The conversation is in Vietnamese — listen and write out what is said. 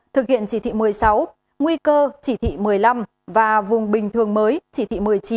thực hiện chỉ thị một mươi sáu nguy cơ chỉ thị một mươi năm và vùng bình thường mới chỉ thị một mươi chín